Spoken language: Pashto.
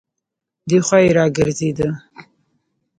دی خوا يې راګرځېده.